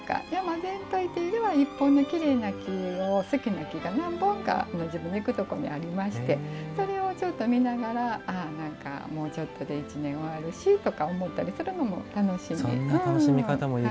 全体では１本のきれいな木を好きな木が、何本か、自分の行くところにありましてそれを見ながら、もうちょっとで１年終わるしとか思ったりするのも楽しい。